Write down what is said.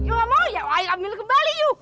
yuk nggak mau ya ayo ambil kembali yuk